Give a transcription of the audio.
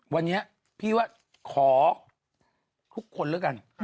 วันนี้พี่ว่าขอทุกคนแล้วกัน